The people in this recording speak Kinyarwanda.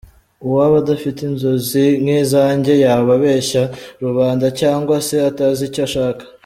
Uwaba adafite inzozi nk’izanjye yaba abeshya rubanda cyangwa se atazi icyo ashaka.